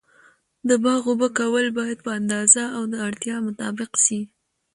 د باغ اوبه کول باید په اندازه او د اړتیا مطابق و سي.